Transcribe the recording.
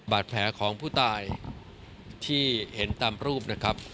บาดแผลของผู้ตายที่เห็นตามรูปนะครับ